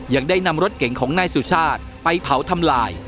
ยังได้นำรถเก่งของนายสุชาติไปเผาทำลาย